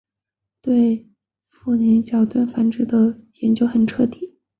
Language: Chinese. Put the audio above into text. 对富纳角箱鲀的繁殖的研究很彻底。